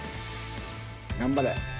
頑張れ！